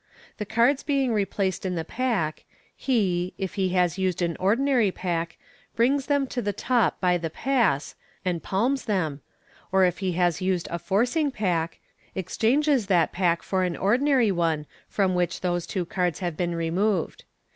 The cards being replaced in the pack, he, if he has used an ordinary pack, brings them to the top by the " pass," and palms them, or if he has used a forcing pack, exchanges that pack for an ordinary one from which those two cards have been removed.